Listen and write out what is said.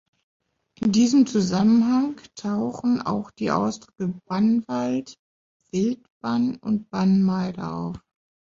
In diesem Zusammenhang tauchen auch die Ausdrücke Bannwald, Wildbann und Bannmeile auf.